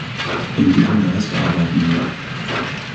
In diesem Geist arbeiten wir.